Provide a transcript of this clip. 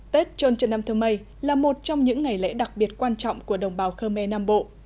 tết trôn trân nam thơ mây là một trong những ngày lễ đặc biệt quan trọng của đồng bào khmer nam bộ